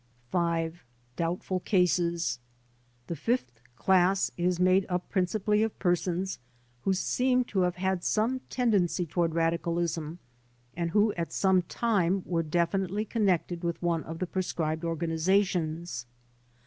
5. Doubtful Cases The fifth class is made up principally of persons who seem to have had some tendency toward radicalism and CONNECTED WITH PROSCRIBED ORGANIZATIONS 63 "who at some time were definitely connected with one of the proscribed organizations.